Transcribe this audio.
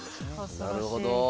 なるほど。